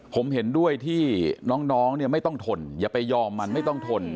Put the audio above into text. ผมเห็นด้วยที่น้องเนี่ยไม่ต้องทนอย่าไปยอมมันไม่ต้องทน